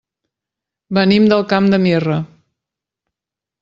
Venim del Camp de Mirra.